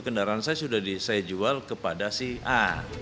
kendaraan saya sudah saya jual kepada si a